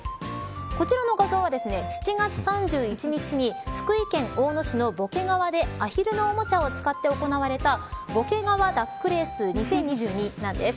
こちらの画像は７月３１日に福井県大野市の木瓜川でアヒルのおもちゃを使って行われた木瓜川ダックレース２０２２です。